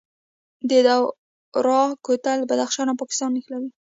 د دوراه کوتل بدخشان او پاکستان نښلوي